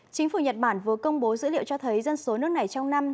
chính phủ nhật bản vừa công bố dữ liệu cho thấy dân số nước này trong năm